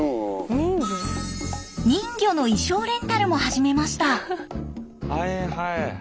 人魚の衣装レンタルも始めました。